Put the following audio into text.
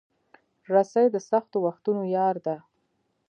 رسۍ د سختو وختونو یار ده.